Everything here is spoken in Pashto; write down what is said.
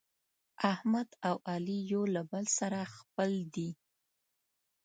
احمد او علي یو له بل سره خپل دي.